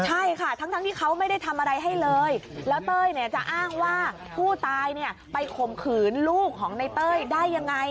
ใช่ค่ะทั้งที่เขาไม่ได้ทำอะไรให้เลยแล้วเต้ยเนี่ยจะอ้างว่าผู้ตายเนี่ยไปข่มขืนลูกของในเต้ยได้ยังไง